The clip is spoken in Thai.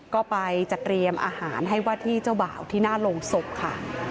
ก็ไปจัดเตรียมอาหารให้ว่าที่เจ้าบ่าวที่หน้าโรงศพค่ะ